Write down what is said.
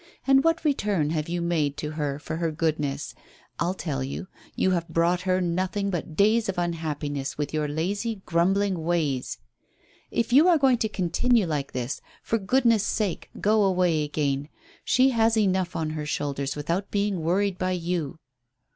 And what return have you made to her for her goodness? I'll tell you; you have brought her nothing but days of unhappiness with your lazy, grumbling ways. If you are going to continue like this, for goodness' sake go away again. She has enough on her shoulders without being worried by you."